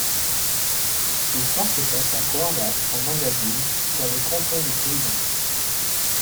L'histoire se passe à Guarda en Engadine, dans le Canton des Grisons.